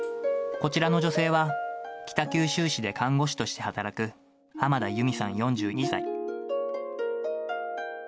こちらの女性は、北九州市で看護師として働く浜田ゆみさん４２歳。